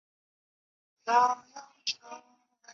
并于宗座慈幼大学取得大众传播心理学学士学位。